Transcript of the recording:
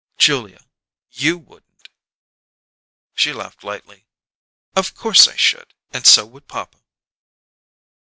"Julia, you wouldn't " She laughed lightly. "Of course I should, and so would papa."